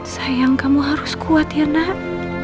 sayang kamu harus kuat ya nak